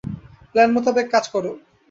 Plan মোতাবেক কাজ করো।